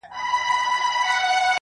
د بابر زړه په غمګین و -